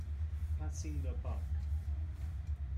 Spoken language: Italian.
Passing the Buck